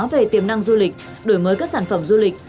về tiềm năng du lịch đổi mới các sản phẩm du lịch